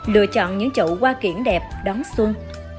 lựa chọn những chỗ hoa kiển đẹp đón xuân